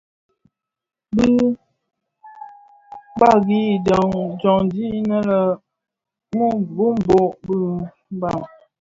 Bi kpagi dyandi innë boumbot dhi Mbam.